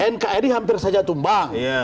nkri hampir saja tumbang